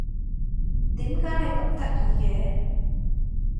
點解你咁得意嘅？